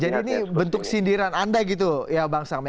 jadi ini bentuk sindiran anda gitu ya bang sam